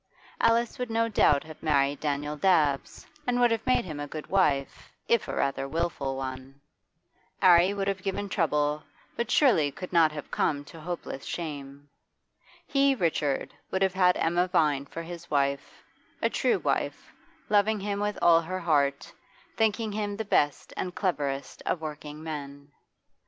Alice would no doubt have married Daniel Dabbs, and would have made him a good wife, if a rather wilful one. 'Arry would have given trouble, but surely could not have come to hopeless shame. He, Richard, would have had Emma Vine for his wife, a true wife, loving him with all her heart, thinking him the best and cleverest of working men.